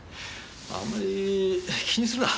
あんまり気にするな。